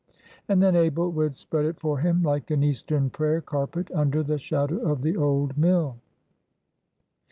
And then Abel would spread it for him, like an eastern prayer carpet, under the shadow of the old mill.